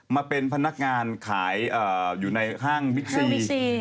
มาเป็นพนักงานขายอยู่ในห้างบิ๊กซี